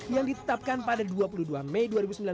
yang ditetapkan pada dua puluh dua mei dua ribu sembilan belas